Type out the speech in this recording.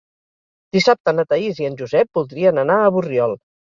Dissabte na Thaís i en Josep voldrien anar a Borriol.